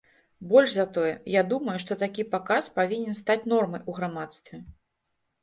Больш за тое, я думаю, што такі паказ павінен стаць нормай у грамадстве.